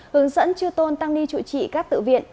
hướng dẫn chư tôn tăng ni trụ trị các tự viện